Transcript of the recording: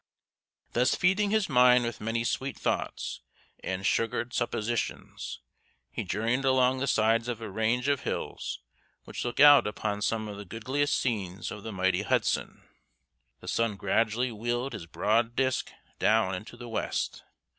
Thus feeding his mind with many sweet thoughts and "sugared suppositions," he journeyed along the sides of a range of hills which look out upon some of the goodliest scenes of the mighty Hudson. The sun gradually wheeled his broad disk down into the west.